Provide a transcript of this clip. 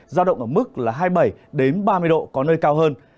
gia động ở mức là hai mươi bảy đến ba mươi độ có nơi cao hơn